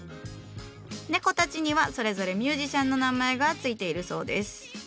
猫たちにはそれぞれミュージシャンの名前が付いているそうです。